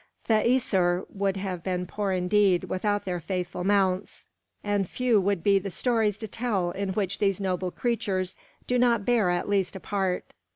The Æsir would have been poor indeed without their faithful mounts, and few would be the stories to tell in which these noble creatures do not bear at least a part.